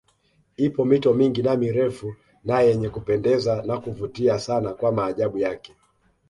Ipo mito mingi na mirefu na yenye kupendeza na kuvutia sana kwa maajabu yake